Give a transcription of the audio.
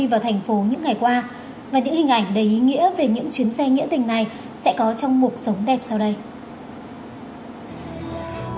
và những hình ảnh đầy ý nghĩa về những chuyến xe nghĩa tình này sẽ có trong một sống đẹp sau đây